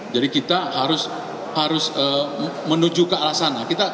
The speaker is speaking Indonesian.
jadi kita harus menuju ke alasan